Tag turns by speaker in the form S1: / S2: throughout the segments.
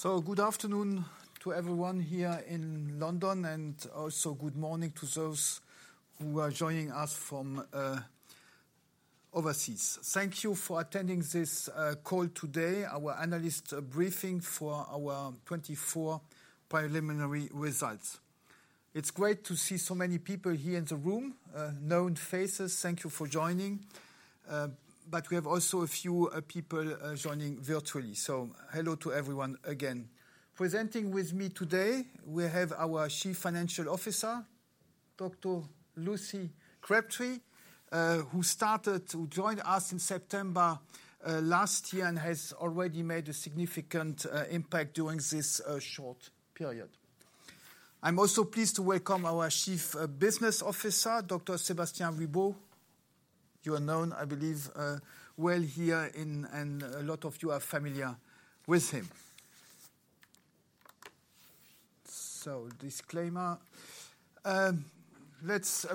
S1: Good afternoon to everyone here in London, and also good morning to those who are joining us from overseas. Thank you for attending this call today, our analyst briefing for our 2024 preliminary results. It's great to see so many people here in the room, known faces. Thank you for joining. We have also a few people joining virtually. Hello to everyone again. Presenting with me today, we have our Chief Financial Officer, Dr. Lucy Crabtree, who joined us in September last year and has already made a significant impact during this short period. I'm also pleased to welcome our Chief Business Officer, Dr. Sébastien Ribault. You are known, I believe, well here, and a lot of you are familiar with him. Disclaimer.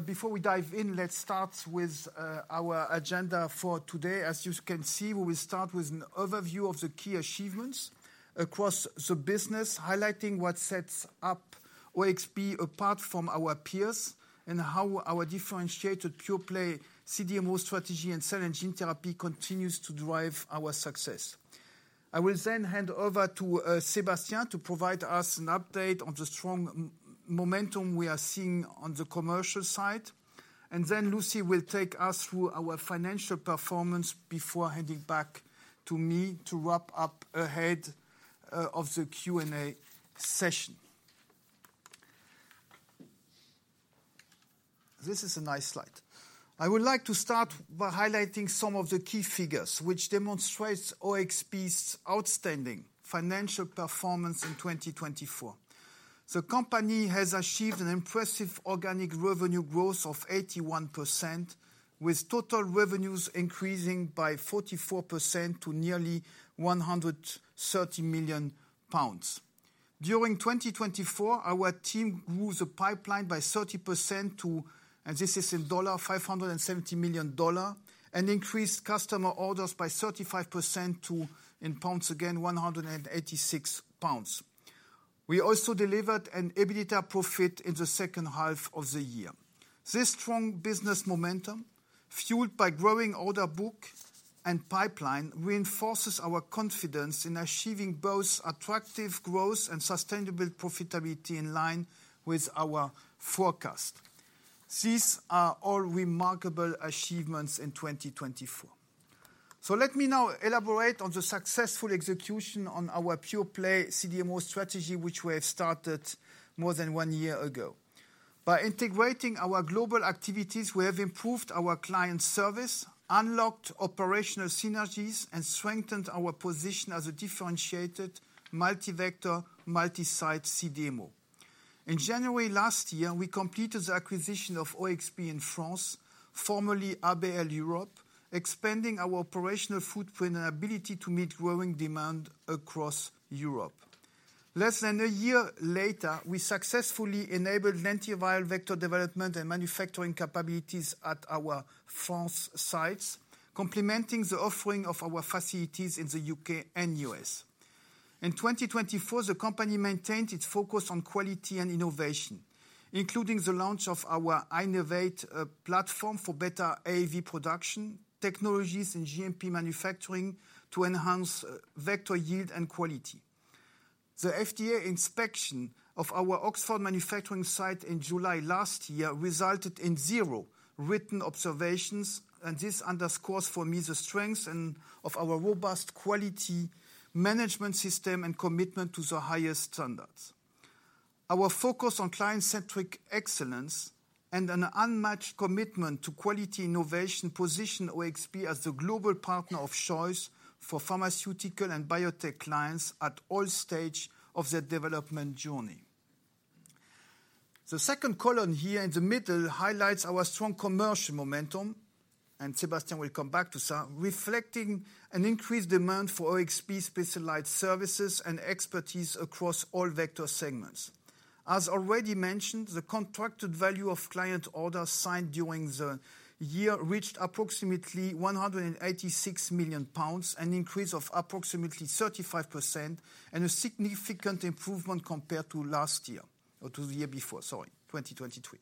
S1: Before we dive in, let's start with our agenda for today. As you can see, we will start with an overview of the key achievements across the business, highlighting what sets OXB apart from our peers and how our differentiated pure-play CDMO strategy and cell and gene therapy continues to drive our success. I will then hand over to Sébastien to provide us an update on the strong momentum we are seeing on the commercial side. Lucy will take us through our financial performance before handing back to me to wrap up ahead of the Q&A session. This is a nice slide. I would like to start by highlighting some of the key figures, which demonstrate OXB's outstanding financial performance in 2024. The company has achieved an impressive organic revenue growth of 81%, with total revenues increasing by 44% to nearly 130 million pounds. During 2024, our team grew the pipeline by 30% to, and this is in dollars, $570 million, and increased customer orders by 35% to, in pounds again, 186 million pounds. We also delivered an EBITDA profit in the second half of the year. This strong business momentum, fueled by growing order book and pipeline, reinforces our confidence in achieving both attractive growth and sustainable profitability in line with our forecast. These are all remarkable achievements in 2024. Let me now elaborate on the successful execution on our pure-play CDMO strategy, which we have started more than one year ago. By integrating our global activities, we have improved our client service, unlocked operational synergies, and strengthened our position as a differentiated, multi-vector, multi-site CDMO. In January last year, we completed the acquisition of OXB in France, formerly ABL Europe, expanding our operational footprint and ability to meet growing demand across Europe. Less than a year later, we successfully enabled lentiviral vector development and manufacturing capabilities at our France sites, complementing the offering of our facilities in the U.K. and U.S. In 2024, the company maintained its focus on quality and innovation, including the launch of our inAAVate platform for better AAV production, technologies, and GMP manufacturing to enhance vector yield and quality. The FDA inspection of our Oxford manufacturing site in July last year resulted in zero written observations, and this underscores for me the strength of our robust quality management system and commitment to the highest standards. Our focus on client-centric excellence and an unmatched commitment to quality innovation position OXB as the global partner of choice for pharmaceutical and biotech clients at all stages of their development journey. The second column here in the middle highlights our strong commercial momentum, and Sébastien will come back to that, reflecting an increased demand for OXB specialized services and expertise across all vector segments. As already mentioned, the contracted value of client orders signed during the year reached approximately 186 million pounds, an increase of approximately 35%, and a significant improvement compared to last year, or to the year before, sorry, 2023.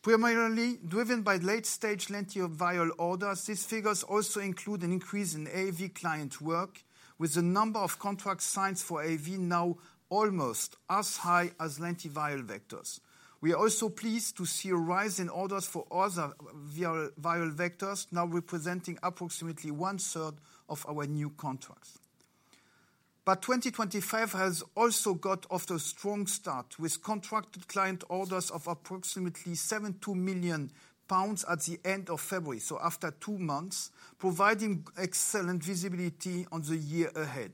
S1: Primarily driven by late-stage lentiviral orders, these figures also include an increase in AAV client work, with the number of contracts signed for AAV now almost as high as lentiviral vectors. We are also pleased to see a rise in orders for other viral vectors, now representing approximately 1/3 of our new contracts. 2025 has also got off to a strong start with contracted client orders of approximately 72 million pounds at the end of February, after two months, providing excellent visibility on the year ahead.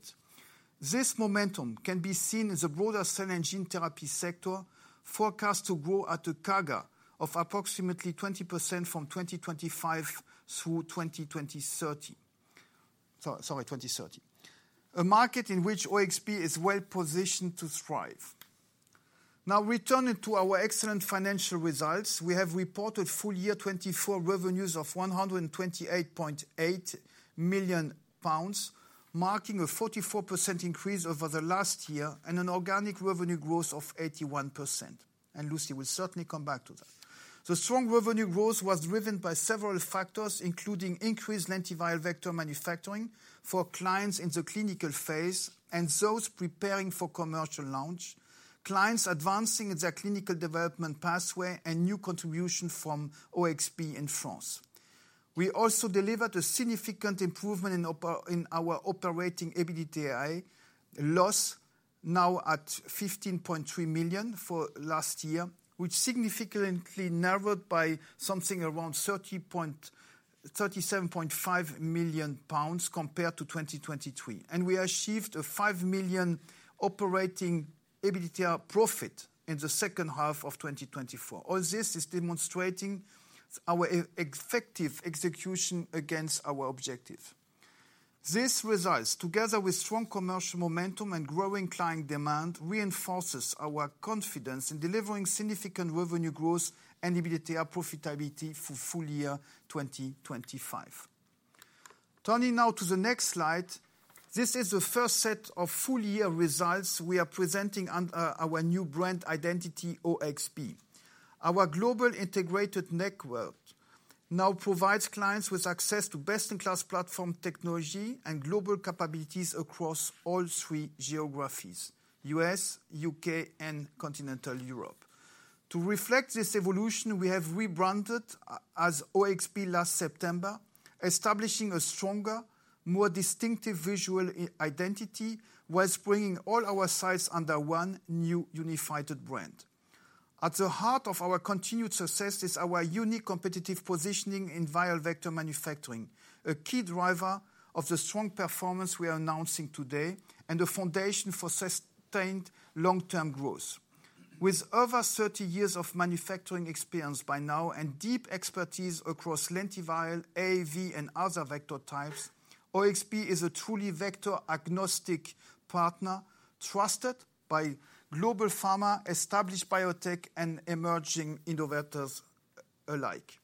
S1: This momentum can be seen in the broader cell and gene therapy sector, forecast to grow at a CAGR of approximately 20% from 2025 through 2030. Sorry, 2030. A market in which OXB is well positioned to thrive. Now, returning to our excellent financial results, we have reported full-year 2024 revenues of 128.8 million pounds, marking a 44% increase over the last year and an organic revenue growth of 81%. Lucy will certainly come back to that. The strong revenue growth was driven by several factors, including increased lentiviral vector manufacturing for clients in the clinical phase and those preparing for commercial launch, clients advancing their clinical development pathway, and new contributions from OXB in France. We also delivered a significant improvement in our operating EBITDA loss, now at 15.3 million for last year, which is significantly narrowed by something around 37.5 million pounds compared to 2023. We achieved a 5 million operating EBITDA profit in the second half of 2024. All this is demonstrating our effective execution against our objectives. These results, together with strong commercial momentum and growing client demand, reinforce our confidence in delivering significant revenue growth and EBITDA profitability for full year 2025. Turning now to the next slide, this is the first set of full year results we are presenting under our new brand identity, OXB. Our global integrated network now provides clients with access to best-in-class platform technology and global capabilities across all three geographies: US, U.K., and continental Europe. To reflect this evolution, we have rebranded as OXB last September, establishing a stronger, more distinctive visual identity while bringing all our sites under one new unified brand. At the heart of our continued success is our unique competitive positioning in viral vector manufacturing, a key driver of the strong performance we are announcing today and a foundation for sustained long-term growth. With over 30 years of manufacturing experience by now and deep expertise across lentiviral, AAV, and other vector types, OXB is a truly vector-agnostic partner trusted by global pharma, established biotech, and emerging innovators alike.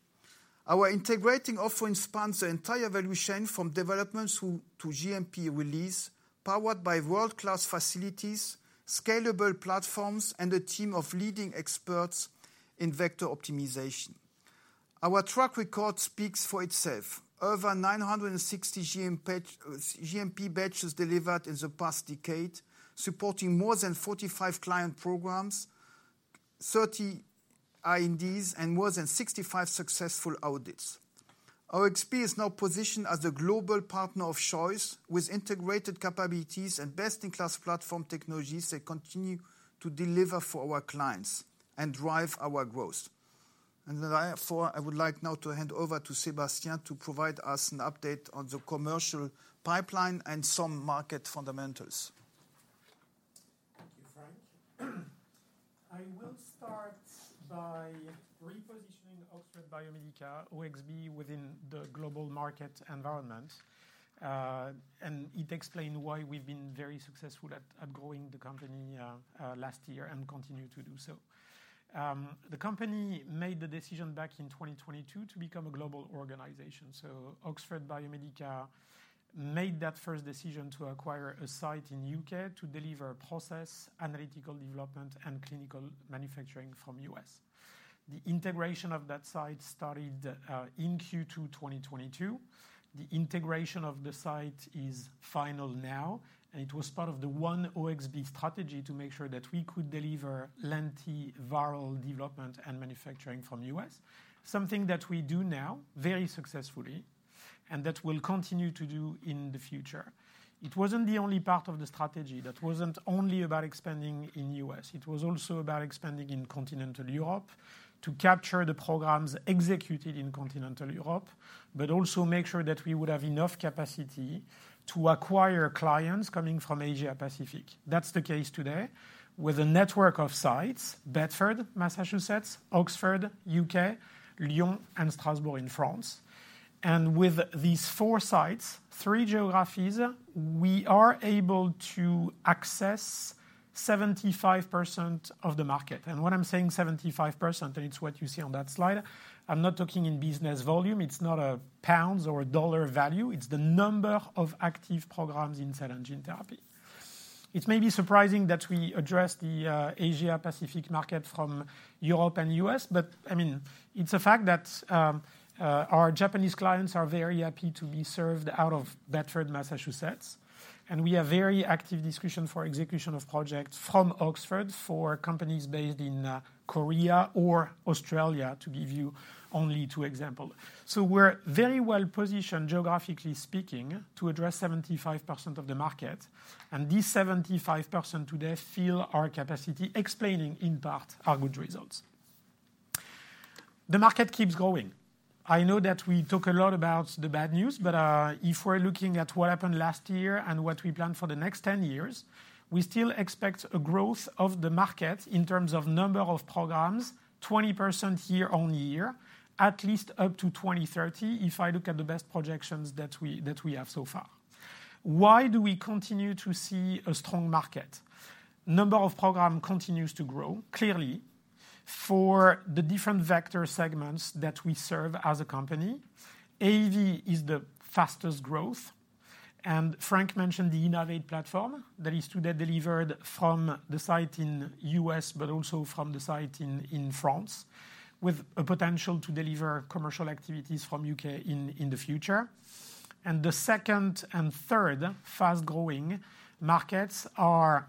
S1: Our integrating offering spans the entire value chain from development to GMP release, powered by world-class facilities, scalable platforms, and a team of leading experts in vector optimization. Our track record speaks for itself: over 960 GMP batches delivered in the past decade, supporting more than 45 client programs, 30 INDs, and more than 65 successful audits. OXB is now positioned as a global partner of choice with integrated capabilities and best-in-class platform technologies that continue to deliver for our clients and drive our growth. I would like now to hand over to Sébastien to provide us an update on the commercial pipeline and some market fundamentals.
S2: Thank you, Frank. I will start by repositioning Oxford Biomedica OXB within the global market environment, and it explains why we've been very successful at growing the company last year and continue to do so. The company made the decision back in 2022 to become a global organization. Oxford Biomedica made that first decision to acquire a site in the U.K. to deliver process analytical development and clinical manufacturing from the U.S. The integration of that site started in Q2 2022. The integration of the site is final now, and it was part of the One OXB strategy to make sure that we could deliver lentiviral development and manufacturing from the U.S., something that we do now very successfully and that we'll continue to do in the future. It was not the only part of the strategy that was not only about expanding in the U.S. It was also about expanding in continental Europe to capture the programs executed in continental Europe, but also make sure that we would have enough capacity to acquire clients coming from Asia-Pacific. That is the case today with a network of sites: Bedford, Massachusetts, Oxford, U.K., Lyon, and Strasbourg in France. With these four sites, three geographies, we are able to access 75% of the market. When I am saying 75%, and it is what you see on that slide, I am not talking in business volume. It is not a pound or a dollar value. It is the number of active programs in cell and gene therapy. It may be surprising that we address the Asia-Pacific market from Europe and the U.S., but I mean, it's a fact that our Japanese clients are very happy to be served out of Bedford, Massachusetts, and we have very active discussions for execution of projects from Oxford for companies based in Korea or Australia, to give you only two examples. We are very well positioned, geographically speaking, to address 75% of the market, and these 75% today fill our capacity, explaining in part our good results. The market keeps growing. I know that we talk a lot about the bad news, but if we're looking at what happened last year and what we plan for the next 10 years, we still expect a growth of the market in terms of number of programs, 20% year-on-year, at least up to 2030, if I look at the best projections that we have so far. Why do we continue to see a strong market? Number of programs continues to grow, clearly, for the different vector segments that we serve as a company. AAV is the fastest growth. Frank mentioned the inAAVate platform that is today delivered from the site in the US, but also from the site in France, with a potential to deliver commercial activities from the U.K. in the future. The second and third fast-growing markets are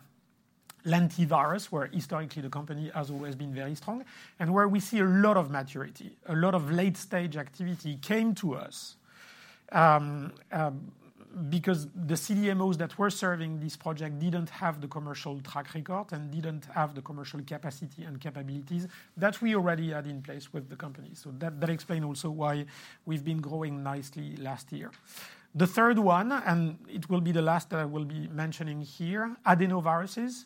S2: lentivirus, where historically the company has always been very strong, and where we see a lot of maturity, a lot of late-stage activity came to us because the CDMOs that were serving this project did not have the commercial track record and did not have the commercial capacity and capabilities that we already had in place with the company. That explains also why we have been growing nicely last year. The third one, and it will be the last that I will be mentioning here, adenoviruses.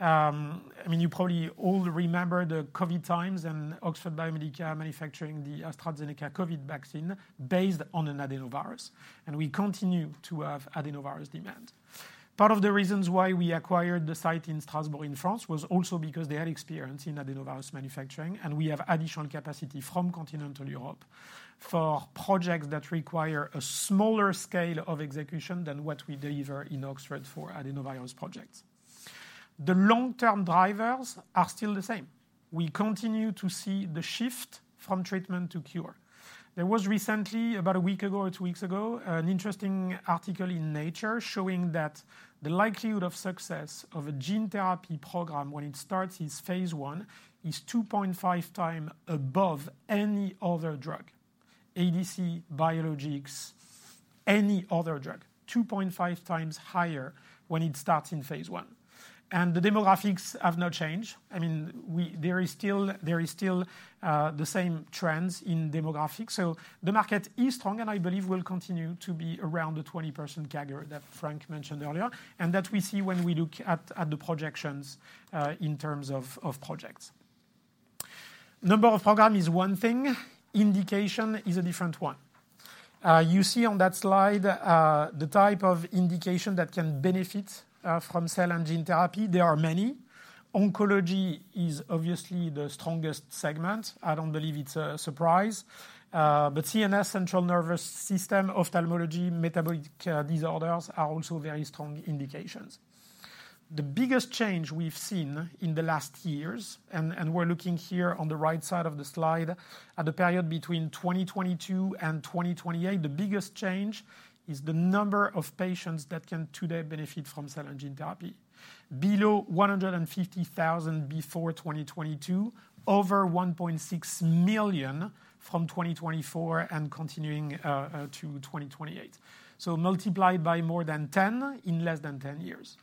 S2: I mean, you probably all remember the COVID times and Oxford Biomedica manufacturing the AstraZeneca COVID vaccine based on an adenovirus, and we continue to have adenovirus demand. Part of the reasons why we acquired the site in Strasbourg in France was also because they had experience in adenovirus manufacturing, and we have additional capacity from continental Europe for projects that require a smaller scale of execution than what we deliver in Oxford for adenovirus projects. The long-term drivers are still the same. We continue to see the shift from treatment to cure. There was recently, about a week ago or two weeks ago, an interesting article in Nature showing that the likelihood of success of a gene therapy program when it starts in phase one is 2.5 times above any other drug, ADC, biologics, any other drug, 2.5 times higher when it starts in Phase I. I mean, there are still the same trends in demographics. The market is strong, and I believe will continue to be around the 20% CAGR that Frank mentioned earlier, and that we see when we look at the projections in terms of projects. Number of programs is one thing. Indication is a different one. You see on that slide the type of indication that can benefit from cell and gene therapy. There are many. Oncology is obviously the strongest segment. I do not believe it is a surprise. CNS, central nervous system, ophthalmology, metabolic disorders are also very strong indications. The biggest change we have seen in the last years, and we are looking here on the right side of the slide at the period between 2022 and 2028, the biggest change is the number of patients that can today benefit from cell and gene therapy. Below 150,000 before 2022, over 1.6 million from 2024 and continuing to 2028. Multiplied by more than 10 in less than 10 years.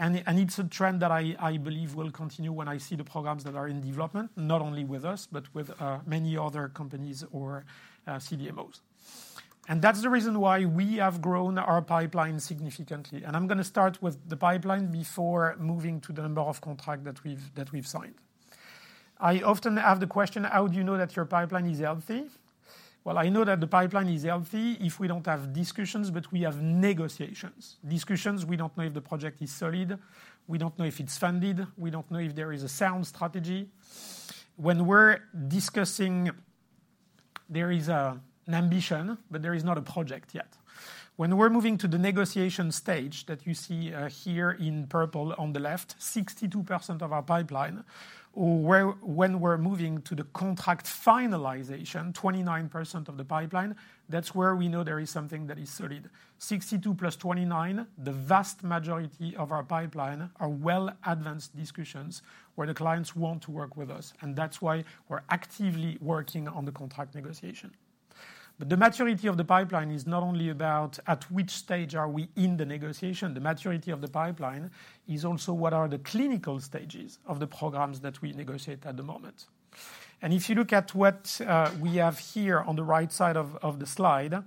S2: It's a trend that I believe will continue when I see the programs that are in development, not only with us, but with many other companies or CDMOs. That's the reason why we have grown our pipeline significantly. I'm going to start with the pipeline before moving to the number of contracts that we've signed. I often have the question, how do you know that your pipeline is healthy? I know that the pipeline is healthy if we don't have discussions, but we have negotiations. Discussions, we don't know if the project is solid. We don't know if it's funded. We don't know if there is a sound strategy. When we're discussing, there is an ambition, but there is not a project yet. When we're moving to the negotiation stage that you see here in purple on the left, 62% of our pipeline, or when we're moving to the contract finalization, 29% of the pipeline, that's where we know there is something that is solid. 62% plus 29%, the vast majority of our pipeline are well-advanced discussions where the clients want to work with us. That's why we're actively working on the contract negotiation. The maturity of the pipeline is not only about at which stage are we in the negotiation. The maturity of the pipeline is also what are the clinical stages of the programs that we negotiate at the moment. If you look at what we have here on the right side of the slide,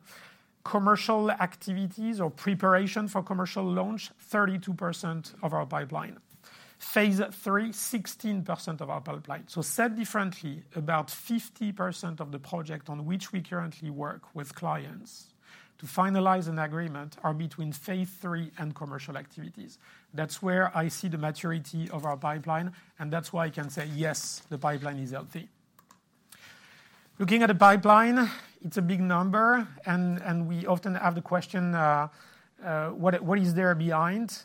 S2: commercial activities or preparation for commercial launch, 32% of our pipeline. Phase III, 16% of our pipeline. Said differently, about 50% of the project on which we currently work with clients to finalize an agreement are between phase III and commercial activities. That's where I see the maturity of our pipeline, and that's why I can say, yes, the pipeline is healthy. Looking at the pipeline, it's a big number, and we often have the question, what is there behind?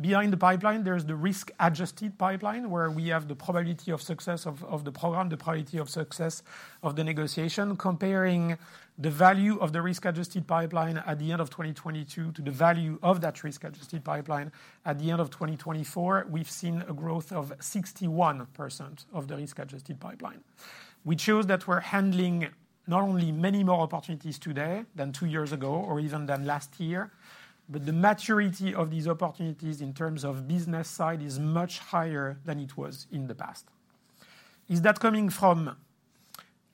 S2: Behind the pipeline, there's the risk-adjusted pipeline where we have the probability of success of the program, the probability of success of the negotiation. Comparing the value of the risk-adjusted pipeline at the end of 2022 to the value of that risk-adjusted pipeline at the end of 2024, we've seen a growth of 61% of the risk-adjusted pipeline. We chose that we're handling not only many more opportunities today than two years ago or even than last year, but the maturity of these opportunities in terms of business side is much higher than it was in the past. Is that coming from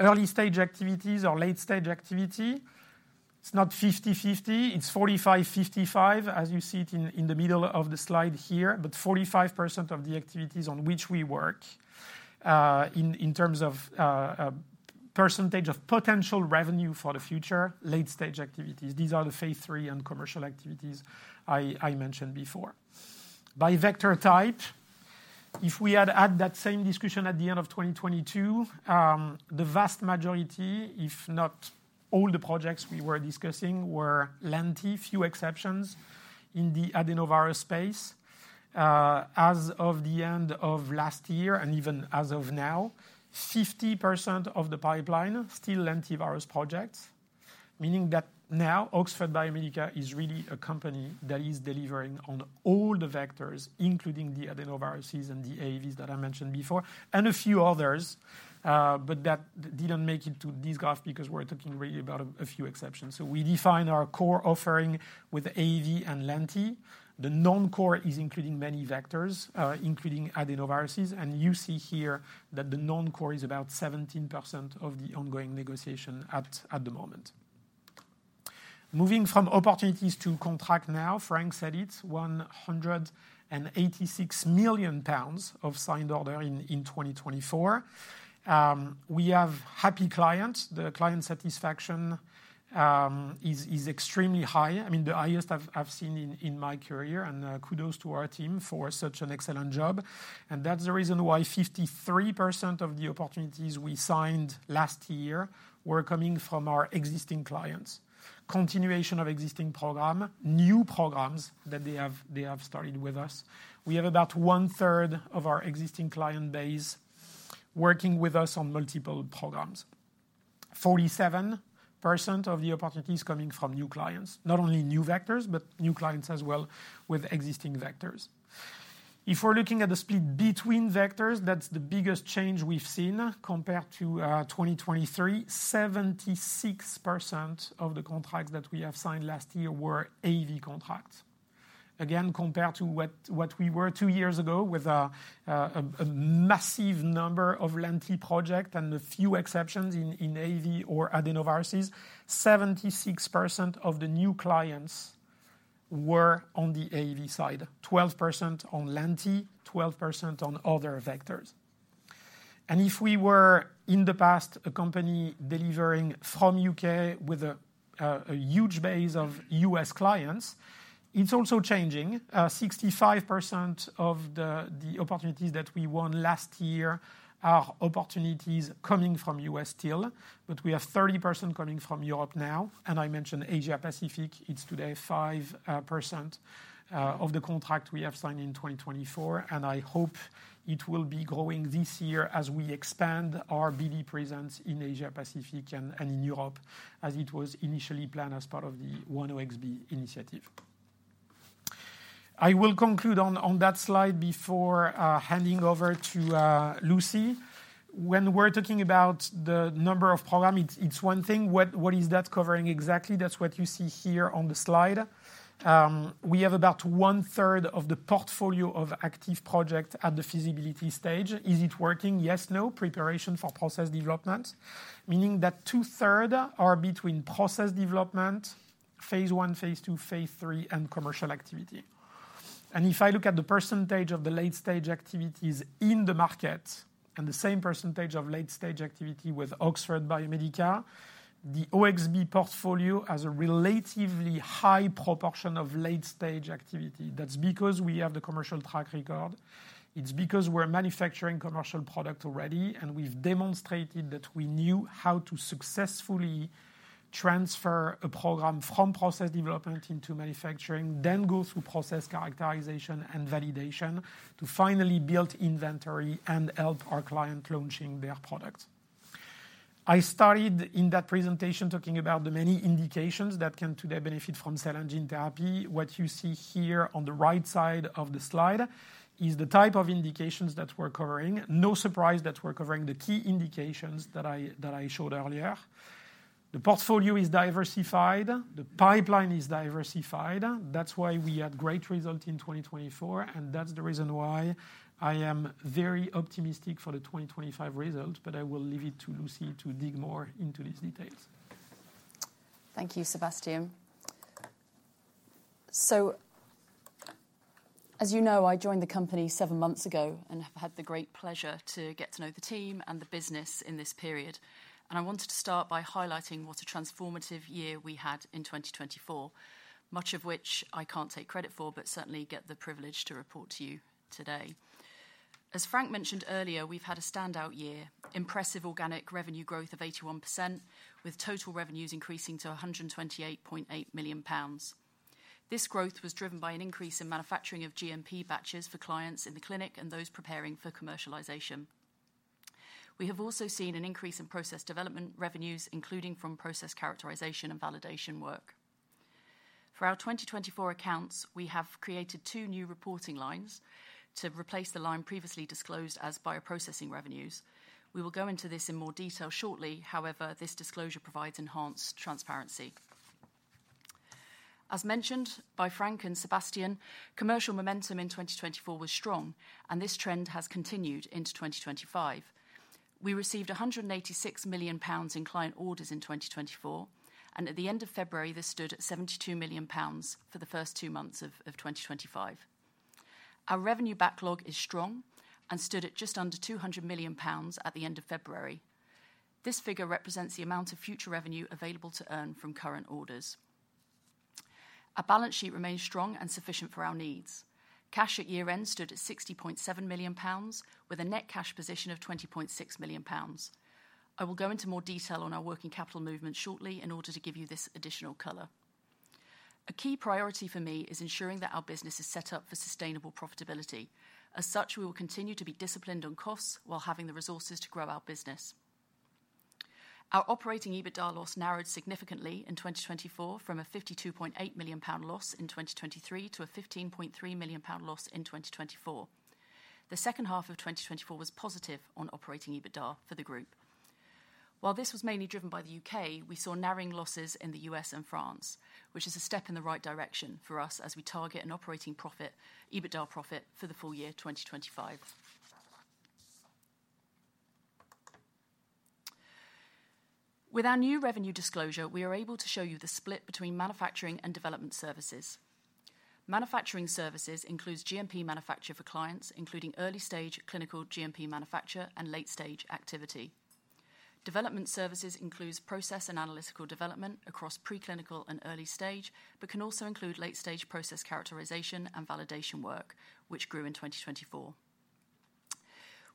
S2: early-stage activities or late-stage activity? It's not 50/50. It's 45/55, as you see it in the middle of the slide here, but 45% of the activities on which we work in terms of percentage of potential revenue for the future, late-stage activities. These are the Phase III and commercial activities I mentioned before. By vector type, if we had had that same discussion at the end of 2022, the vast majority, if not all the projects we were discussing, were lenti, few exceptions in the adenovirus space. As of the end of last year and even as of now, 50% of the pipeline still lentivirus projects, meaning that now Oxford Biomedica is really a company that is delivering on all the vectors, including the adenoviruses and the AAVs that I mentioned before and a few others, but that did not make it to this graph because we are talking really about a few exceptions. We define our core offering with AAV and lenti. The non-core is including many vectors, including adenoviruses, and you see here that the non-core is about 17% of the ongoing negotiation at the moment. Moving from opportunities to contract now, Frank said it, 186 million pounds of signed order in 2024. We have happy clients. The client satisfaction is extremely high. I mean, the highest I have seen in my career, and kudos to our team for such an excellent job. That's the reason why 53% of the opportunities we signed last year were coming from our existing clients. Continuation of existing program, new programs that they have started with us. We have about 1/3 of our existing client base working with us on multiple programs. 47% of the opportunities coming from new clients, not only new vectors, but new clients as well with existing vectors. If we're looking at the split between vectors, that's the biggest change we've seen compared to 2023. 76% of the contracts that we have signed last year were AAV contracts. Again, compared to what we were two years ago with a massive number of lenti projects and a few exceptions in AAV or adenoviruses, 76% of the new clients were on the AAV side, 12% on lenti, 12% on other vectors. If we were in the past a company delivering from the U.K. with a huge base of U.S. clients, it's also changing. 65% of the opportunities that we won last year are opportunities coming from the U.S. still, but we have 30% coming from Europe now. I mentioned Asia-Pacific. It's today 5% of the contracts we have signed in 2024, and I hope it will be growing this year as we expand our BD presence in Asia-Pacific and in Europe as it was initially planned as part of the One OXB initiative. I will conclude on that slide before handing over to Lucy. When we're talking about the number of programs, it's one thing. What is that covering exactly? That's what you see here on the slide. We have about 1/3 of the portfolio of active projects at the feasibility stage. Is it working? Yes, no, preparation for process development, meaning that 2/3 are between process development, phase one, phase two, phase three, and commercial activity. If I look at the percentage of the late-stage activities in the market and the same percentage of late-stage activity with Oxford Biomedica, the OXB portfolio has a relatively high proportion of late-stage activity. That's because we have the commercial track record. It's because we're manufacturing commercial products already, and we've demonstrated that we knew how to successfully transfer a program from process development into manufacturing, then go through process characterization and validation to finally build inventory and help our clients launch their products. I started in that presentation talking about the many indications that can today benefit from cell and gene therapy. What you see here on the right side of the slide is the type of indications that we're covering. No surprise that we're covering the key indications that I showed earlier. The portfolio is diversified. The pipeline is diversified. That's why we had great results in 2024, and that's the reason why I am very optimistic for the 2025 results, but I will leave it to Lucy to dig more into these details.
S3: Thank you, Sébastien. As you know, I joined the company seven months ago and have had the great pleasure to get to know the team and the business in this period. I wanted to start by highlighting what a transformative year we had in 2024, much of which I can't take credit for, but certainly get the privilege to report to you today. As Frank mentioned earlier, we've had a standout year, impressive organic revenue growth of 81%, with total revenues increasing to 128.8 million pounds. This growth was driven by an increase in manufacturing of GMP batches for clients in the clinic and those preparing for commercialization. We have also seen an increase in process development revenues, including from process characterization and validation work. For our 2024 accounts, we have created two new reporting lines to replace the line previously disclosed as bioprocessing revenues. We will go into this in more detail shortly. However, this disclosure provides enhanced transparency. As mentioned by Frank and Sébastien, commercial momentum in 2024 was strong, and this trend has continued into 2025. We received 186 million pounds in client orders in 2024, and at the end of February, this stood at 72 million pounds for the first two months of 2025. Our revenue backlog is strong and stood at just under 200 million pounds at the end of February. This figure represents the amount of future revenue available to earn from current orders. Our balance sheet remains strong and sufficient for our needs. Cash at year-end stood at 60.7 million pounds, with a net cash position of 20.6 million pounds. I will go into more detail on our working capital movement shortly in order to give you this additional color. A key priority for me is ensuring that our business is set up for sustainable profitability. As such, we will continue to be disciplined on costs while having the resources to grow our business. Our operating EBITDA loss narrowed significantly in 2024 from a GBP 52.8 million loss in 2023 to a GBP 15.3 million loss in 2024. The second half of 2024 was positive on operating EBITDA for the group. While this was mainly driven by the U.K., we saw narrowing losses in the U.S. and France, which is a step in the right direction for us as we target an operating profit, EBITDA profit for the full-year 2025. With our new revenue disclosure, we are able to show you the split between manufacturing and development services. Manufacturing services includes GMP manufacture for clients, including early-stage clinical GMP manufacture and late-stage activity. Development services includes process and analytical development across preclinical and early stage, but can also include late-stage process characterization and validation work, which grew in 2024.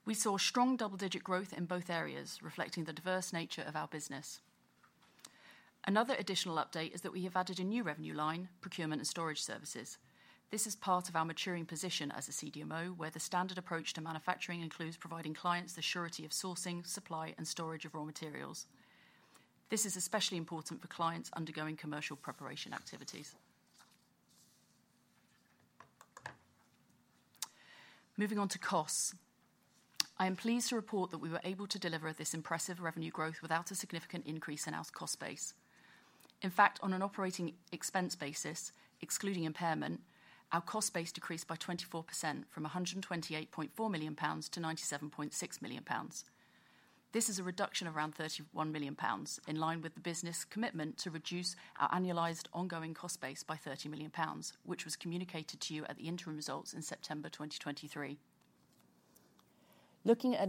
S3: We saw strong double-digit growth in both areas, reflecting the diverse nature of our business. Another additional update is that we have added a new revenue line, procurement and storage services. This is part of our maturing position as a CDMO, where the standard approach to manufacturing includes providing clients the surety of sourcing, supply, and storage of raw materials. This is especially important for clients undergoing commercial preparation activities. Moving on to costs, I am pleased to report that we were able to deliver this impressive revenue growth without a significant increase in our cost base. In fact, on an operating expense basis, excluding impairment, our cost base decreased by 24% from 128.4 million-97.6 million pounds. This is a reduction of around 31 million pounds in line with the business commitment to reduce our annualized ongoing cost base by 30 million pounds, which was communicated to you at the interim results in September 2023. Looking at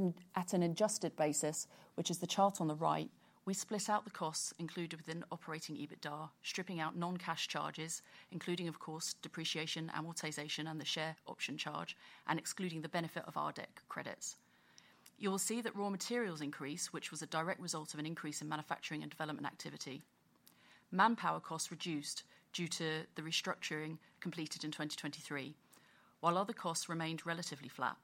S3: an adjusted basis, which is the chart on the right, we split out the costs included within operating EBITDA, stripping out non-cash charges, including, of course, depreciation, amortization, and the share option charge, and excluding the benefit of RDEC credits. You will see that raw materials increase, which was a direct result of an increase in manufacturing and development activity. Manpower costs reduced due to the restructuring completed in 2023, while other costs remained relatively flat.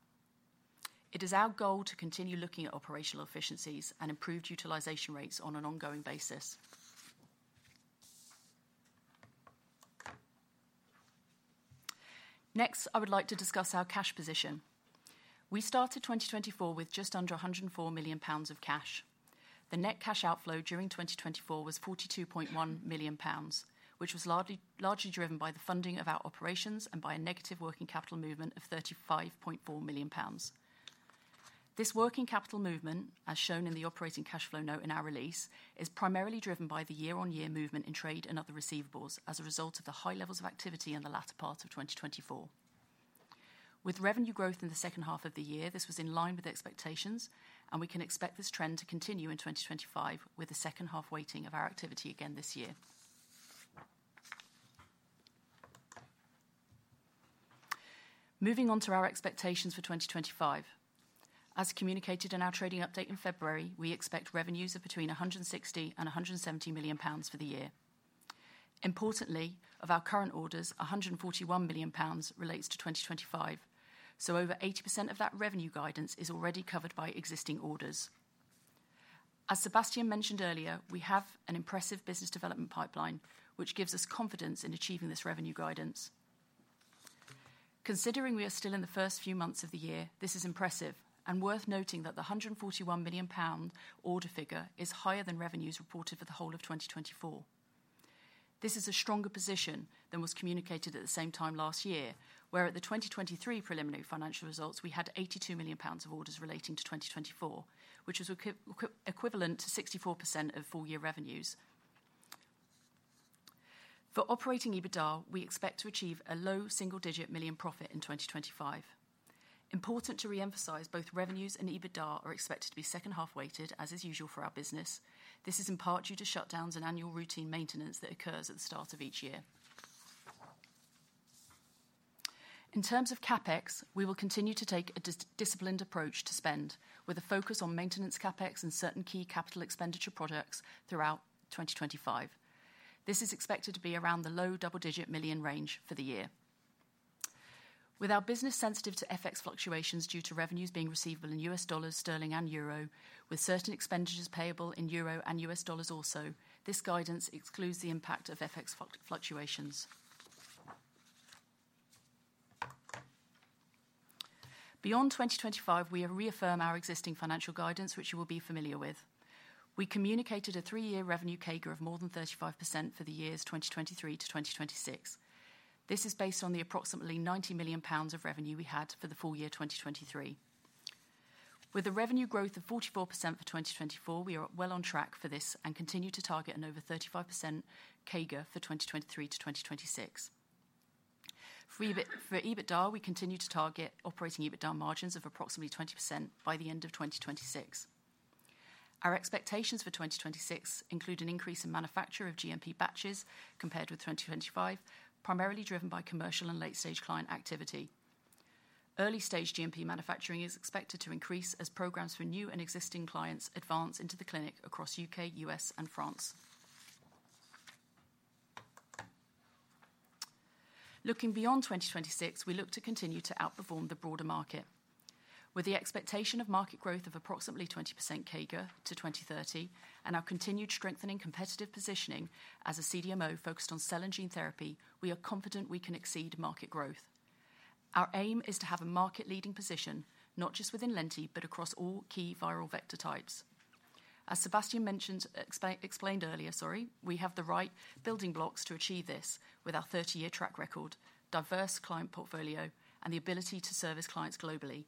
S3: It is our goal to continue looking at operational efficiencies and improved utilization rates on an ongoing basis. Next, I would like to discuss our cash position. We started 2024 with just under 104 million pounds of cash. The net cash outflow during 2024 was 42.1 million pounds, which was largely driven by the funding of our operations and by a negative working capital movement of 35.4 million pounds. This working capital movement, as shown in the operating cash flow note in our release, is primarily driven by the year-on-year movement in trade and other receivables as a result of the high levels of activity in the latter part of 2024. With revenue growth in the second half of the year, this was in line with expectations, and we can expect this trend to continue in 2025 with the second half weighting of our activity again this year. Moving on to our expectations for 2025. As communicated in our trading update in February, we expect revenues of between 160 million and 170 million pounds for the year. Importantly, of our current orders, 141 million pounds relates to 2025, so over 80% of that revenue guidance is already covered by existing orders. As Sébastien mentioned earlier, we have an impressive business development pipeline, which gives us confidence in achieving this revenue guidance. Considering we are still in the first few months of the year, this is impressive, and worth noting that the 141 million pound order figure is higher than revenues reported for the whole of 2024. This is a stronger position than was communicated at the same time last year, where at the 2023 preliminary financial results, we had 82 million pounds of orders relating to 2024, which was equivalent to 64% of full-year revenues. For operating EBITDA, we expect to achieve a low single-digit million profit in 2025. Important to reemphasize, both revenues and EBITDA are expected to be second half weighted, as is usual for our business. This is in part due to shutdowns and annual routine maintenance that occurs at the start of each year. In terms of CapEx, we will continue to take a disciplined approach to spend, with a focus on maintenance CapEx and certain key capital expenditure products throughout 2025. This is expected to be around the low double-digit million range for the year. With our business sensitive to FX fluctuations due to revenues being receivable in $U.S., GBP, and EUR, with certain expenditures payable in EUR and $U.S. also, this guidance excludes the impact of FX fluctuations. Beyond 2025, we have reaffirmed our existing financial guidance, which you will be familiar with. We communicated a three-year revenue CAGR of more than 35% for the years 2023-2026. This is based on the approximately 90 million pounds of revenue we had for the full-year 2023. With a revenue growth of 44% for 2024, we are well on track for this and continue to target an over 35% CAGR for 2023-2026. For EBITDA, we continue to target operating EBITDA margins of approximately 20% by the end of 2026. Our expectations for 2026 include an increase in manufacture of GMP batches compared with 2025, primarily driven by commercial and late-stage client activity. Early-stage GMP manufacturing is expected to increase as programs for new and existing clients advance into the clinic across U.K., U.S., and France. Looking beyond 2026, we look to continue to outperform the broader market, with the expectation of market growth of approximately 20% CAGR to 2030 and our continued strengthening competitive positioning as a CDMO focused on cell and gene therapy. We are confident we can exceed market growth. Our aim is to have a market-leading position, not just within lenti, but across all key viral vector types. As Sébastien mentioned, explained earlier, sorry, we have the right building blocks to achieve this with our 30-year track record, diverse client portfolio, and the ability to service clients globally.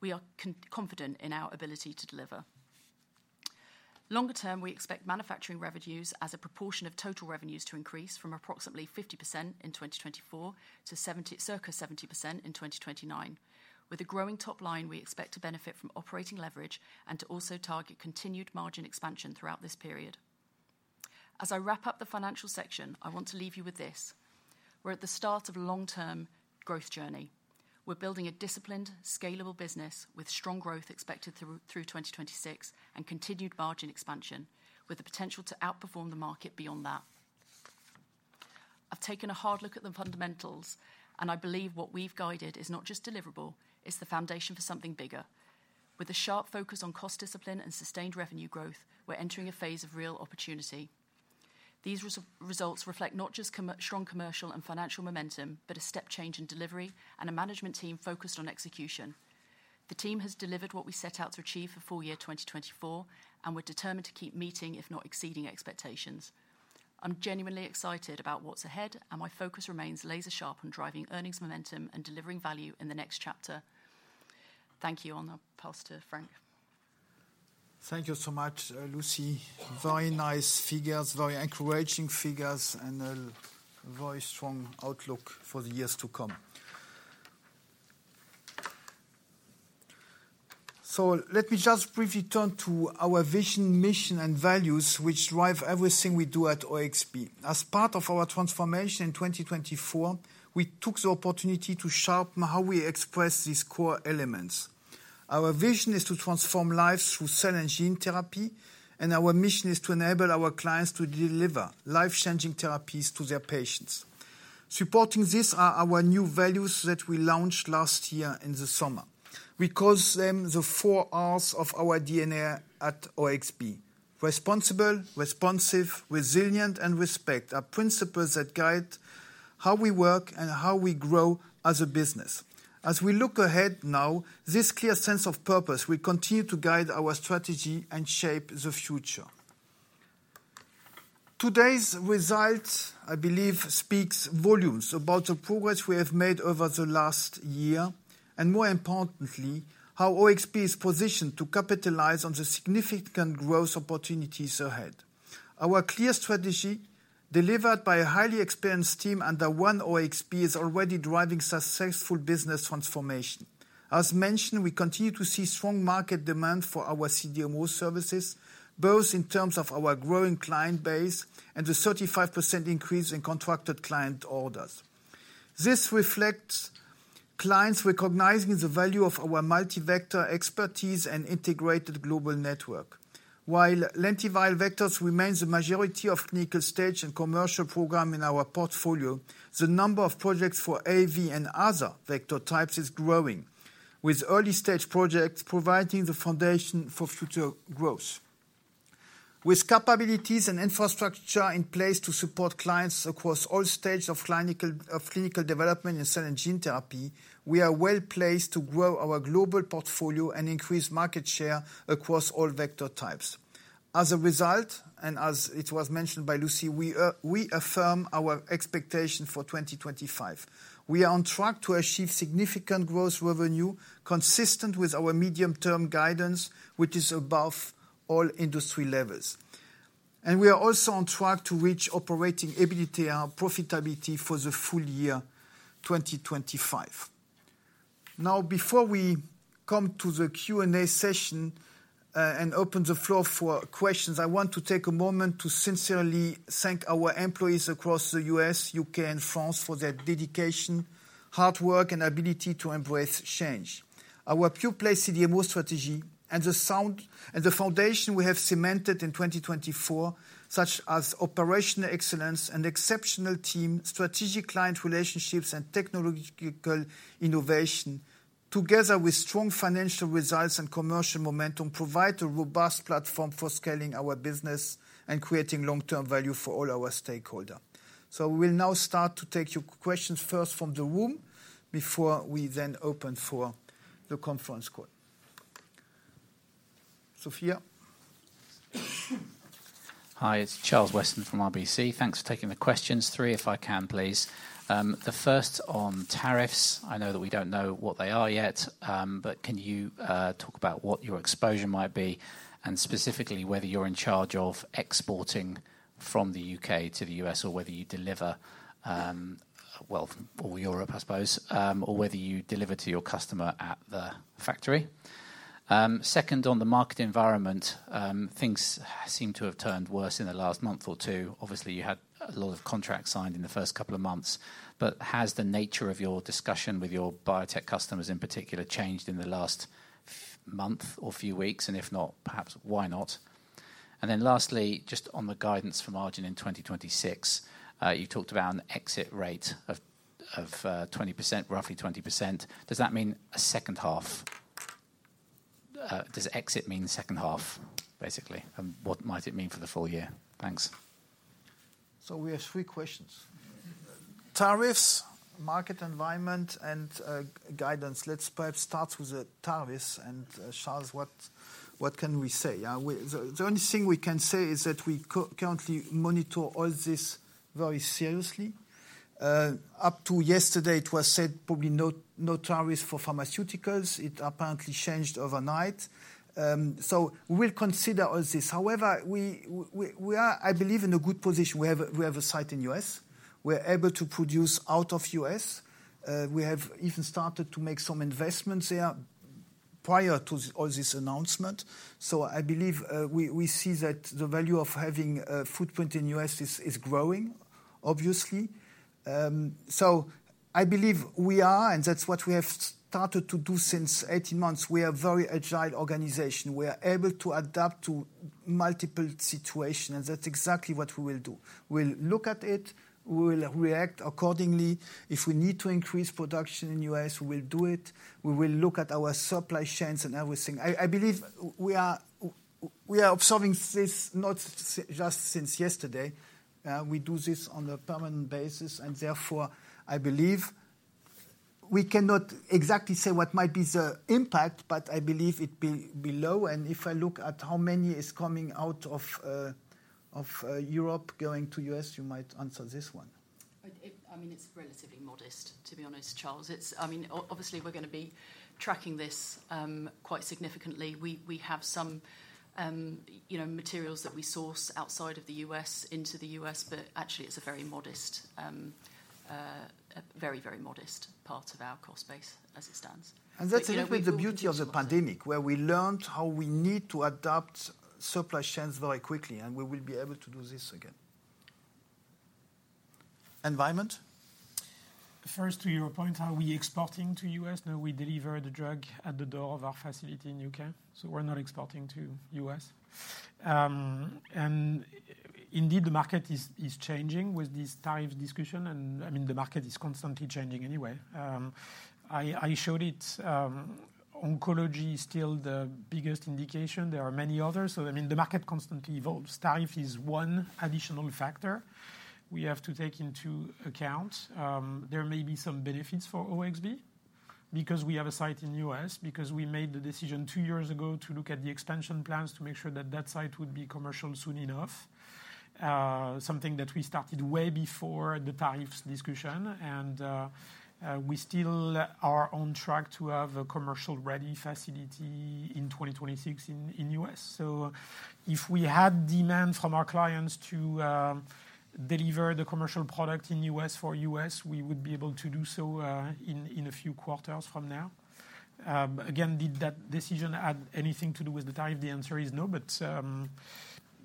S3: We are confident in our ability to deliver. Longer term, we expect manufacturing revenues as a proportion of total revenues to increase from approximately 50% in 2024 to circa 70% in 2029. With a growing top line, we expect to benefit from operating leverage and to also target continued margin expansion throughout this period. As I wrap up the financial section, I want to leave you with this. We're at the start of a long-term growth journey. We're building a disciplined, scalable business with strong growth expected through 2026 and continued margin expansion, with the potential to outperform the market beyond that. I've taken a hard look at the fundamentals, and I believe what we've guided is not just deliverable, it's the foundation for something bigger. With a sharp focus on cost discipline and sustained revenue growth, we're entering a phase of real opportunity. These results reflect not just strong commercial and financial momentum, but a step change in delivery and a management team focused on execution. The team has delivered what we set out to achieve for full year 2024 and we're determined to keep meeting, if not exceeding, expectations. I'm genuinely excited about what's ahead, and my focus remains laser-sharp on driving earnings momentum and delivering value in the next chapter. Thank you, i'll now pass to Frank.
S1: Thank you so much, Lucy. Very nice figures, very encouraging figures, and a very strong outlook for the years to come. Let me just briefly turn to our vision, mission, and values, which drive everything we do at OXB. As part of our transformation in 2024, we took the opportunity to sharpen how we express these core elements. Our vision is to transform lives through cell and gene therapy, and our mission is to enable our clients to deliver life-changing therapies to their patients. Supporting this are our new values that we launched last year in the summer. We call them the four Rs of our DNA at OXB: responsible, responsive, resilient, and respect. Our principles that guide how we work and how we grow as a business. As we look ahead now, this clear sense of purpose will continue to guide our strategy and shape the future. Today's result, I believe, speaks volumes about the progress we have made over the last year and, more importantly, how OXB is positioned to capitalize on the significant growth opportunities ahead. Our clear strategy, delivered by a highly experienced team under One OXB, is already driving successful business transformation. As mentioned, we continue to see strong market demand for our CDMO services, both in terms of our growing client base and the 35% increase in contracted client orders. This reflects clients recognizing the value of our multi-vector expertise and integrated global network. While lentiviral vectors remain the majority of clinical stage and commercial program in our portfolio, the number of projects for AAV and other vector types is growing, with early-stage projects providing the foundation for future growth. With capabilities and infrastructure in place to support clients across all stages of clinical development in cell and gene therapy, we are well placed to grow our global portfolio and increase market share across all vector types. As a result, and as it was mentioned by Lucy, we affirm our expectation for 2025. We are on track to achieve significant gross revenue consistent with our medium-term guidance, which is above all industry levels. We are also on track to reach operating EBITDA and profitability for the full-year 2025. Now, before we come to the Q&A session and open the floor for questions, I want to take a moment to sincerely thank our employees across the U.S., U.K., and France for their dedication, hard work, and ability to embrace change. Our pure-play CDMO strategy and the foundation we have cemented in 2024, such as operational excellence and exceptional team, strategic client relationships, and technological innovation, together with strong financial results and commercial momentum, provide a robust platform for scaling our business and creating long-term value for all our stakeholders. We will now start to take your questions first from the room before we then open for the conference call. Sofia.
S4: Hi, it's Charles Weston from RBC. Thanks for taking the questions. Three, if I can, please. The first on tariffs. I know that we don't know what they are yet, but can you talk about what your exposure might be and specifically whether you're in charge of exporting from the U.K. to the U.S. or whether you deliver, well, all Europe, I suppose, or whether you deliver to your customer at the factory? Second, on the market environment, things seem to have turned worse in the last month or two. Obviously, you had a lot of contracts signed in the first couple of months, but has the nature of your discussion with your biotech customers in particular changed in the last month or few weeks? If not, perhaps why not? Lastly, just on the guidance for margin in 2026, you talked about an exit rate of 20%, roughly 20%. Does that mean a second half? Does exit mean second half, basically? What might it mean for the full-year? Thanks.
S1: We have three questions. Tariffs, market environment, and guidance. Let's perhaps start with the tariffs. Charles, what can we say? The only thing we can say is that we currently monitor all this very seriously. Up to yesterday, it was said probably no tariffs for pharmaceuticals. It apparently changed overnight. We will consider all this. However, we are, I believe, in a good position. We have a site in the U.S. We're able to produce out of the U.S. We have even started to make some investments there prior to all this announcement. I believe we see that the value of having a footprint in the U.S. is growing, obviously. I believe we are, and that's what we have started to do since 18 months. We are a very agile organization. We are able to adapt to multiple situations, and that's exactly what we will do. We'll look at it. We will react accordingly. If we need to increase production in the U.S., we will do it. We will look at our supply chains and everything. I believe we are observing this not just since yesterday. We do this on a permanent basis, and therefore, I believe we cannot exactly say what might be the impact, but I believe it will be low. If I look at how many are coming out of Europe going to the U.S., you might answer this one.
S3: I mean, it's relatively modest, to be honest, Charles. I mean, obviously, we're going to be tracking this quite significantly. We have some materials that we source outside of the U.S. into the U.S., but actually, it's a very modest, very, very modest part of our cost base as it stands.
S1: That's a little bit the beauty of the pandemic, where we learned how we need to adapt supply chains very quickly, and we will be able to do this again. Environment.
S2: First, to your point, are we exporting to the U.S.? No, we deliver the drug at the door of our facility in the U.K. We are not exporting to the U.S. I mean, the market is changing with these tariff discussions. The market is constantly changing anyway. I showed it. Oncology is still the biggest indication. There are many others. The market constantly evolves. Tariff is one additional factor we have to take into account. There may be some benefits for OXB because we have a site in the U.S., because we made the decision two years ago to look at the expansion plans to make sure that that site would be commercial soon enough, something that we started way before the tariffs discussion. We still are on track to have a commercial-ready facility in 2026 in the U.S. If we had demand from our clients to deliver the commercial product in the U.S. for the U.S., we would be able to do so in a few quarters from now. Again, did that decision have anything to do with the tariff? The answer is no, but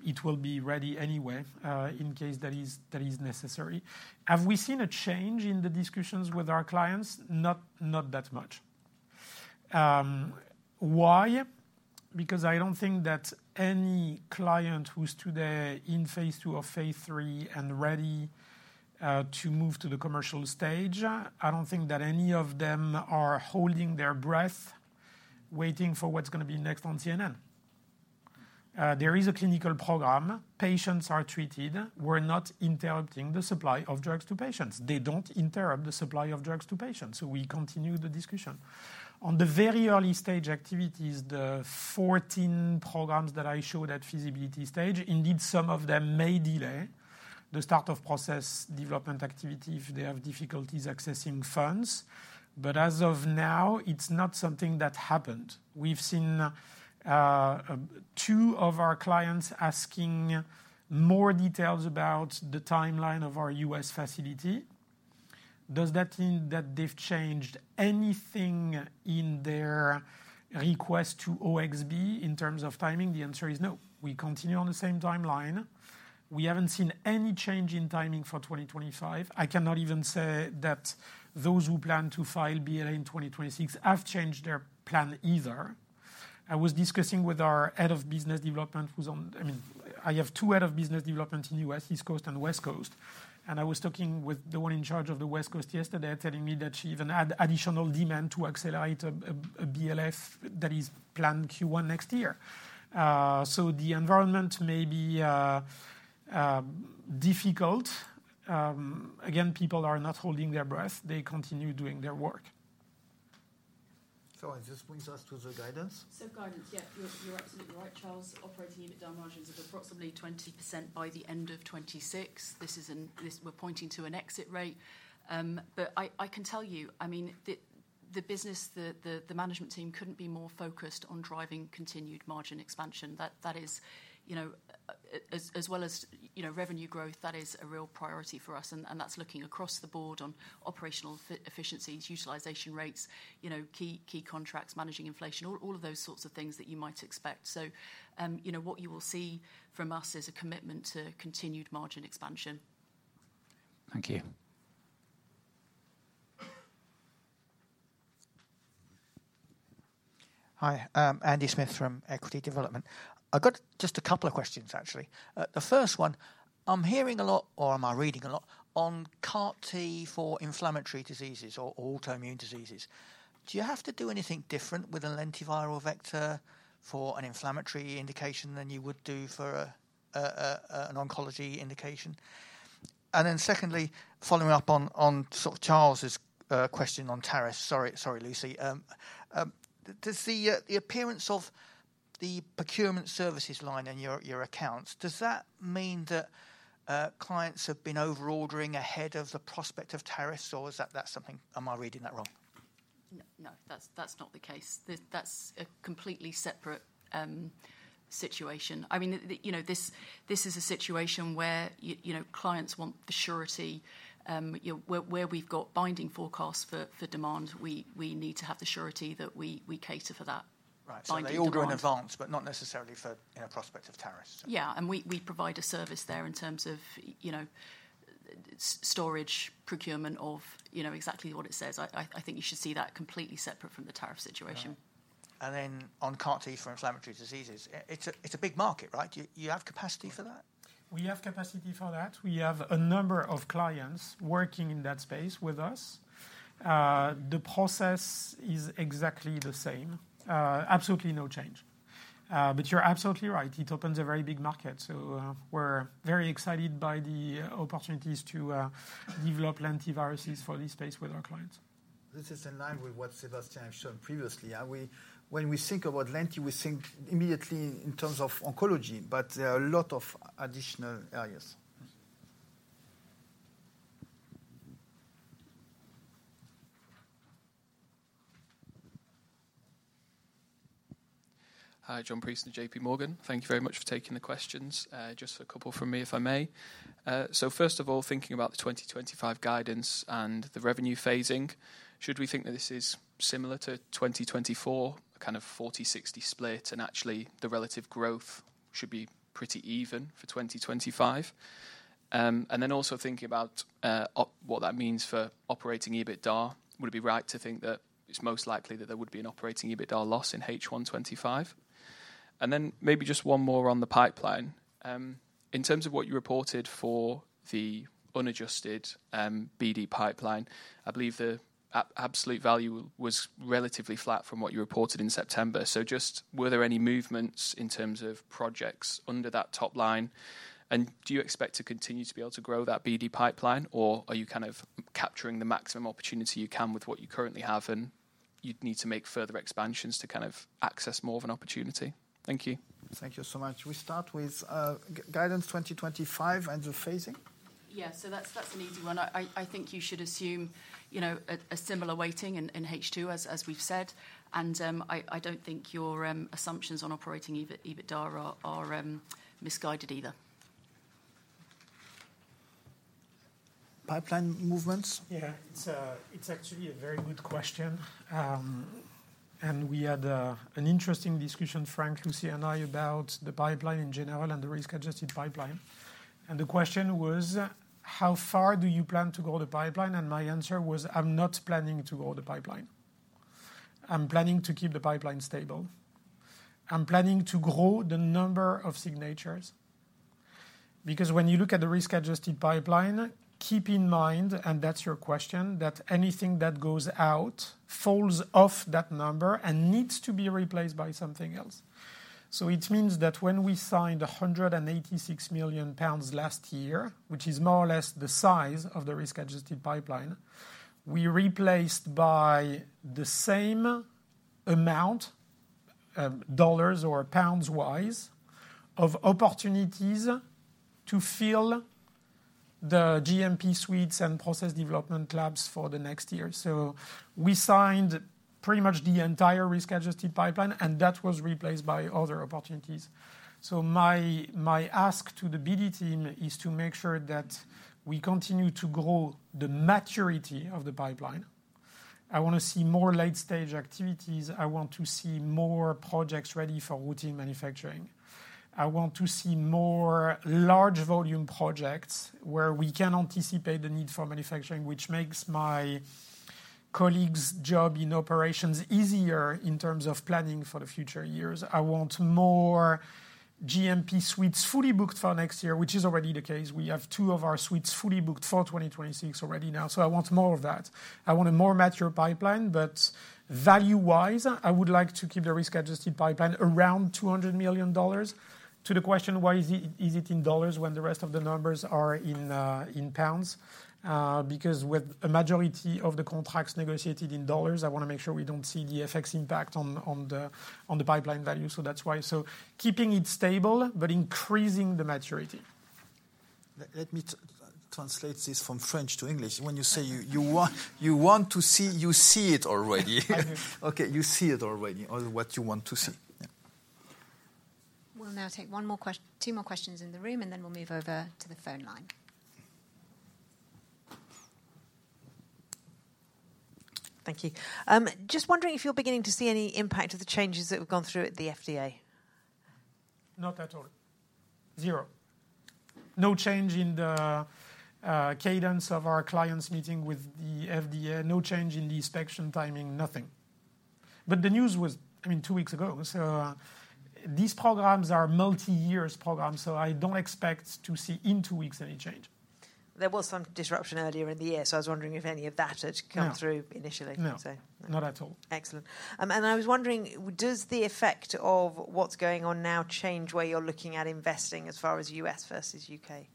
S2: it will be ready anyway in case that is necessary. Have we seen a change in the discussions with our clients? Not that much. Why? Because I do not think that any client who is today in phase II or phase III and ready to move to the commercial stage, I do not think that any of them are holding their breath waiting for what is going to be next on CNN. There is a clinical program. Patients are treated. We are not interrupting the supply of drugs to patients. They do not interrupt the supply of drugs to patients. We continue the discussion. On the very early stage activities, the 14 programs that I showed at feasibility stage, indeed, some of them may delay the start of process development activity if they have difficulties accessing funds. As of now, it's not something that happened. We've seen two of our clients asking more details about the timeline of our U.S. facility. Does that mean that they've changed anything in their request to OXB in terms of timing? The answer is no. We continue on the same timeline. We haven't seen any change in timing for 2025. I cannot even say that those who plan to file BLA in 2026 have changed their plan either. I was discussing with our head of business development who's on, I mean, I have two heads of business development in the U.S., East Coast and West Coast. I was talking with the one in charge of the West Coast yesterday, telling me that she even had additional demand to accelerate a BLA that is planned Q1 next year. The environment may be difficult. Again, people are not holding their breath. They continue doing their work.
S1: It just brings us to the guidance.
S3: Guidance, yeah, you're absolutely right, Charles. Operating unit down margins of approximately 20% by the end of 2026. This is an, we're pointing to an exit rate. I can tell you, I mean, the business, the management team couldn't be more focused on driving continued margin expansion. That is, as well as revenue growth, that is a real priority for us. That's looking across the board on operational efficiencies, utilization rates, key contracts, managing inflation, all of those sorts of things that you might expect. What you will see from us is a commitment to continued margin expansion.
S4: Thank you.
S5: Hi, Andy Smith from Equity Development. I've got just a couple of questions, actually. The first one, I'm hearing a lot, or am I reading a lot, on CAR-T for inflammatory diseases or autoimmune diseases. Do you have to do anything different with a lentiviral vector for an inflammatory indication than you would do for an oncology indication? Then secondly, following up on Charles's question on tariffs, sorry, Lucy, does the appearance of the procurement services line in your accounts, does that mean that clients have been overordering ahead of the prospect of tariffs, or is that something, am I reading that wrong?
S3: No, that's not the case. That's a completely separate situation. I mean, this is a situation where clients want the surety. Where we've got binding forecasts for demand, we need to have the surety that we cater for that.
S5: Right, so they all go in advance, but not necessarily for a prospect of tariffs.
S3: Yeah, and we provide a service there in terms of storage, procurement of exactly what it says. I think you should see that completely separate from the tariff situation.
S5: On CAR-T for inflammatory diseases, it's a big market, right? You have capacity for that?
S2: We have capacity for that. We have a number of clients working in that space with us. The process is exactly the same. Absolutely no change. You're absolutely right. It opens a very big market. We are very excited by the opportunities to develop lentiviruses for this space with our clients.
S1: This is in line with what Sébastien and I have shown previously. When we think about lenti, we think immediately in terms of oncology, but there are a lot of additional areas.
S6: Hi, James Gordon or uncertain and JP Morgan. Thank you very much for taking the questions. Just a couple from me, if I may. First of all, thinking about the 2025 guidance and the revenue phasing, should we think that this is similar to 2024, a kind of 40-60 split, and actually the relative growth should be pretty even for 2025? Also, thinking about what that means for operating EBITDA, would it be right to think that it's most likely that there would be an operating EBITDA loss in H1 2025? Maybe just one more on the pipeline. In terms of what you reported for the unadjusted BD pipeline, I believe the absolute value was relatively flat from what you reported in September. Were there any movements in terms of projects under that top line? Do you expect to continue to be able to grow that BD pipeline, or are you kind of capturing the maximum opportunity you can with what you currently have, and you would need to make further expansions to access more of an opportunity? Thank you.
S1: Thank you so much. We start with guidance 2025 and the phasing.
S3: Yeah, that is an easy one. I think you should assume a similar weighting in H2, as we have said. I do not think your assumptions on operating EBITDA are misguided either.
S1: Pipeline movements?
S2: Yeah, it is actually a very good question. We had an interesting discussion, Frank, Lucy, and I, about the pipeline in general and the risk-adjusted pipeline. The question was, how far do you plan to grow the pipeline? My answer was, I'm not planning to grow the pipeline. I'm planning to keep the pipeline stable. I'm planning to grow the number of signatures. Because when you look at the risk-adjusted pipeline, keep in mind, and that's your question, that anything that goes out falls off that number and needs to be replaced by something else. It means that when we signed 186 million pounds last year, which is more or less the size of the risk-adjusted pipeline. We replaced by the same amount, dollars or pounds-wise, of opportunities to fill the GMP suites and process development labs for the next year. We signed pretty much the entire risk-adjusted pipeline, and that was replaced by other opportunities. My ask to the BD team is to make sure that we continue to grow the maturity of the pipeline. I want to see more late-stage activities. I want to see more projects ready for routine manufacturing. I want to see more large-volume projects where we can anticipate the need for manufacturing, which makes my colleagues' job in operations easier in terms of planning for the future years. I want more GMP suites fully booked for next year, which is already the case. We have two of our suites fully booked for 2026 already now. I want more of that. I want a more mature pipeline, but value-wise, I would like to keep the risk-adjusted pipeline around $200 million. To the question, why is it in dollars when the rest of the numbers are in pounds? Because with a majority of the contracts negotiated in dollars, I want to make sure we do not see the FX impact on the pipeline value. That is why. Keeping it stable, but increasing the maturity.
S1: Let me translate this from French to English. When you say you want to see, you see it already. Okay, you see it already, or what you want to see.
S7: We'll now take one more question, two more questions in the room, and then we'll move over to the phone line.
S8: Thank you. Just wondering if you're beginning to see any impact of the changes that we've gone through at the FDA.
S2: Not at all. Zero. No change in the cadence of our clients meeting with the FDA. No change in the inspection timing, nothing. The news was, I mean, two weeks ago. These programs are multi-years programs, so I don't expect to see in two weeks any change.
S8: There was some disruption earlier in the year, so I was wondering if any of that had come through initially.
S2: No, not at all.
S8: Excellent. I was wondering, does the effect of what's going on now change where you're looking at investing as far as U.S. versus U.K.?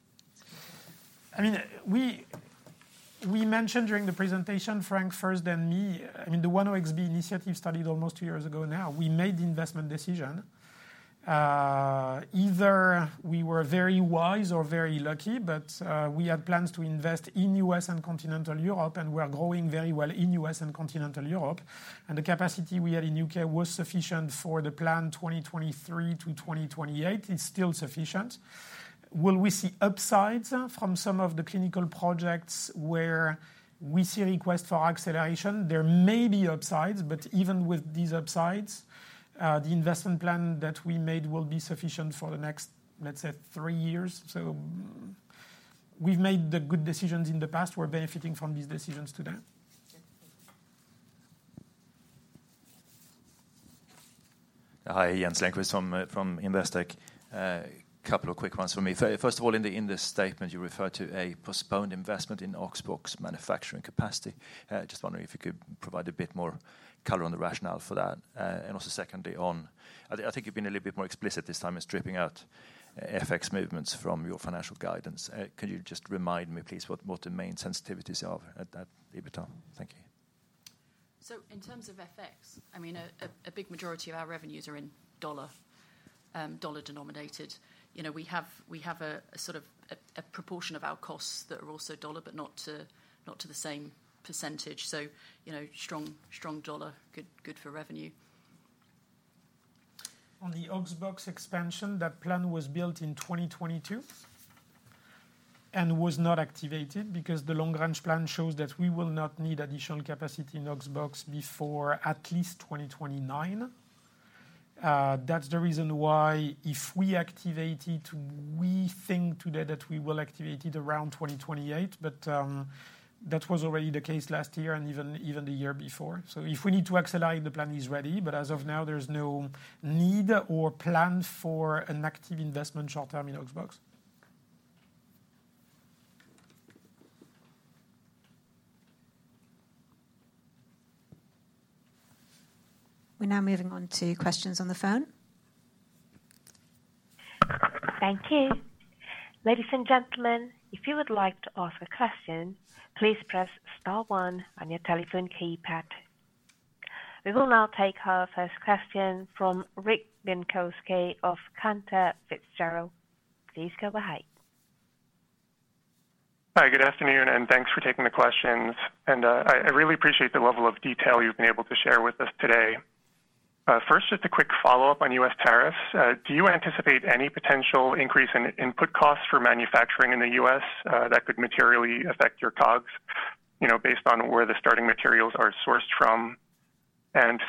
S2: I mean, we mentioned during the presentation, Frank, first and me, I mean, the One OXB initiative started almost two years ago now. We made the investment decision. Either we were very wise or very lucky, but we had plans to invest in U.S. and continental Europe, and we're growing very well in U.S. and continental Europe. The capacity we had in U.K. was sufficient for the plan 2023 to 2028. It's still sufficient. Will we see upsides from some of the clinical projects where we see requests for acceleration? There may be upsides, but even with these upsides, the investment plan that we made will be sufficient for the next, let's say, three years. We have made the good decisions in the past. We're benefiting from these decisions today.
S9: Hi, Jens Lindqvist from Investec. A couple of quick ones for me. First of all, in the statement, you referred to a postponed investment in Oxbox manufacturing capacity. Just wondering if you could provide a bit more color on the rationale for that. Also, I think you've been a little bit more explicit this time in stripping out FX movements from your financial guidance. Could you just remind me, please, what the main sensitivities are at EBITDA? Thank you.
S3: In terms of FX, I mean, a big majority of our revenues are in dollar, dollar denominated. We have a sort of a proportion of our costs that are also dollar, but not to the same percentage. Strong dollar, good for revenue.
S2: On the Oxbox expansion, that plan was built in 2022 and was not activated because the long-range plan shows that we will not need additional capacity in Oxbox before at least 2029. That's the reason why if we activate it, we think today that we will activate it around 2028, but that was already the case last year and even the year before. If we need to accelerate, the plan is ready, but as of now, there's no need or plan for an active investment short-term in Oxbox.
S7: We're now moving on to questions on the phone. Thank you. Ladies and gentlemen, if you would like to ask a question, please press star one on your telephone keypad. We will now take our first question from Rick Bienkowski of Cantor Fitzgerald. Please go ahead.
S10: Hi, good afternoon, and thanks for taking the questions. I really appreciate the level of detail you've been able to share with us today. First, just a quick follow-up on U.S. tariffs. Do you anticipate any potential increase in input costs for manufacturing in the U.S. that could materially affect your COGS based on where the starting materials are sourced from?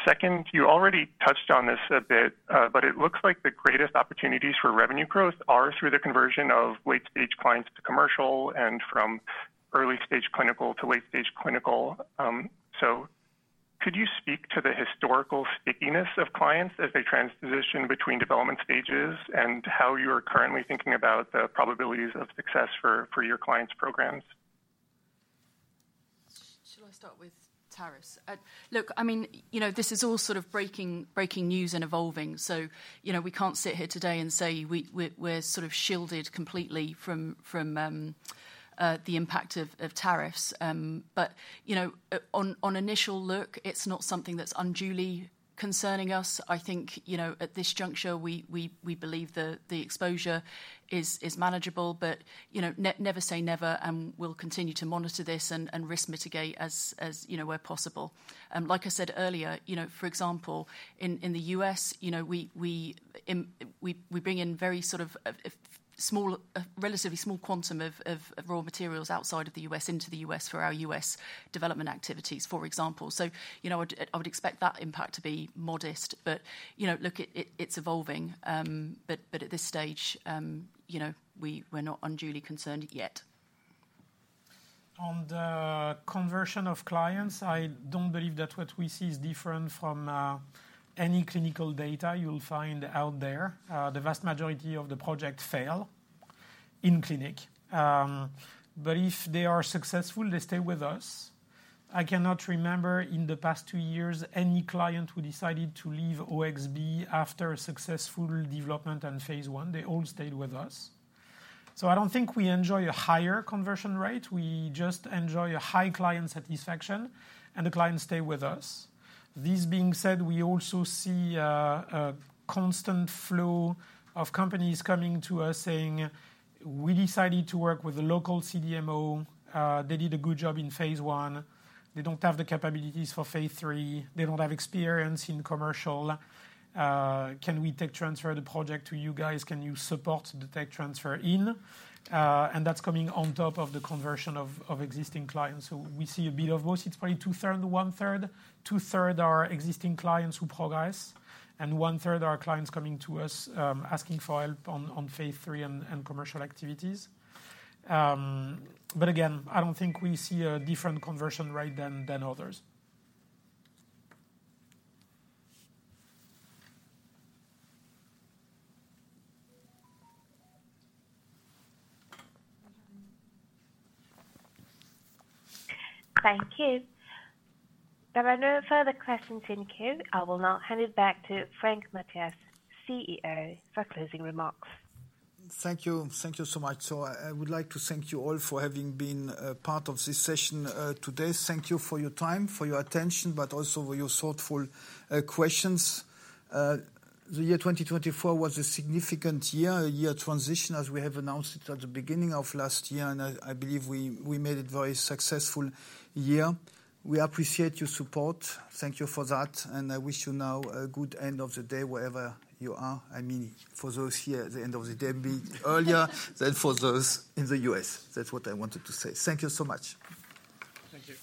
S10: Second, you already touched on this a bit, but it looks like the greatest opportunities for revenue growth are through the conversion of late-stage clients to commercial and from early-stage clinical to late-stage clinical. Could you speak to the historical stickiness of clients as they transition between development stages and how you are currently thinking about the probabilities of success for your clients' programs?
S3: Shall I start with tariffs? Look, I mean, this is all sort of breaking news and evolving. We can't sit here today and say we're sort of shielded completely from the impact of tariffs. On initial look, it's not something that's unduly concerning us. I think at this juncture, we believe the exposure is manageable, but never say never, and we'll continue to monitor this and risk mitigate as where possible. Like I said earlier, for example, in the U.S., we bring in very sort of relatively small quantum of raw materials outside of the U.S. into the U.S. for our U.S. development activities, for example. I would expect that impact to be modest, but look, it's evolving. At this stage, we're not unduly concerned yet.
S2: On the conversion of clients, I don't believe that what we see is different from any clinical data you'll find out there. The vast majority of the projects fail in clinic. If they are successful, they stay with us. I cannot remember in the past two years any client who decided to leave OXB after a successful development and phase I. They all stayed with us. I do not think we enjoy a higher conversion rate. We just enjoy a high client satisfaction, and the clients stay with us. This being said, we also see a constant flow of companies coming to us saying, "We decided to work with a local CDMO. They did a good job in phase one. They do not have the capabilities for phase three. They do not have experience in commercial. Can we tech transfer the project to you guys? Can you support the tech transfer in?" That is coming on top of the conversion of existing clients. We see a bit of both. It is probably 2/3, 1/3. 2/3 are existing clients who progress, and 1/3 are clients coming to us asking for help on phase III and commercial activities. I do not think we see a different conversion rate than others.
S7: Thank you. There are no further questions in queue. I will now hand it back to Frank Mathias, CEO, for closing remarks.
S1: Thank you. Thank you so much. I would like to thank you all for having been part of this session today. Thank you for your time, for your attention, but also for your thoughtful questions. The year 2024 was a significant year, a year of transition, as we have announced it at the beginning of last year, and I believe we made it a very successful year. We appreciate your support. Thank you for that, and I wish you now a good end of the day wherever you are. I mean, for those here, the end of the day will be earlier than for those in the U.S.. That's what I wanted to say. Thank you so much.
S2: Thank you.